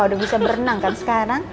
udah bisa berenang kan sekarang